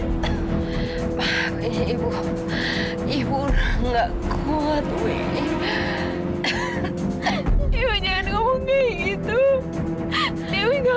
oh masih jam sembilan masa nanti warum belli katanya nama desenvolver guru